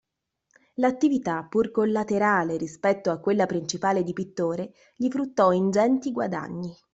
L'attività, pur collaterale rispetto a quella principale di pittore, gli fruttò ingenti guadagni.